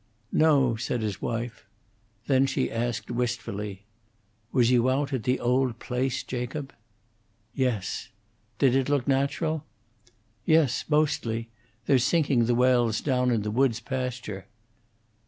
"No," said his wife. Then she asked, wistfully, "Was you out at the old place, Jacob?" "Yes." "Did it look natural?" "Yes; mostly. They're sinking the wells down in the woods pasture."